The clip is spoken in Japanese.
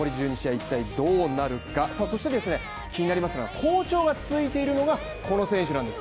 一体どうなるか、そして気になりますのが、好調が続いているのがこの選手なんです。